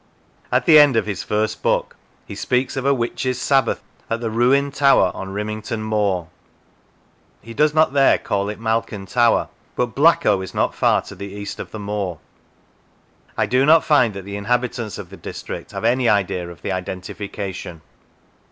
At the end of his first book he speaks of a " witches' sabbath " at " the ruined tower on Rimington Moor." He does not there call it Malkin Tower, but Blacko is not far to the east of the moor. I do not find that the inhabitants of the district have any idea of the identification.